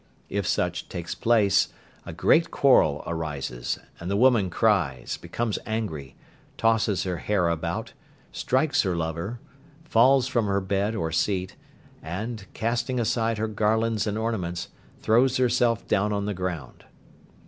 If such takes place, a great quarrel arises, and the woman cries, becomes angry, tosses her hair about, strikes her lover, falls from her bed or seat, and, casting aside her garlands and ornaments, throws herself down on the ground.